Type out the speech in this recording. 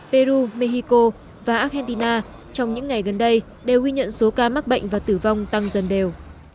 peru mexico và argentina trong những ngày gần đây đều ghi nhận số ca mắc bệnh và tử vong tăng dần đều